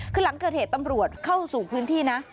คือหลังเกิดเหตุตำรวจเข้าสู่พื้นที่นะ